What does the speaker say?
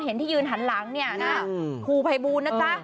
เห็นที่ยืนหันหลังเนี่ยนะครับภูไภบูรณ์นะจ๊ะ